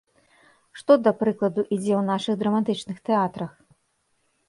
Што, да прыкладу, ідзе ў нашых драматычных тэатрах?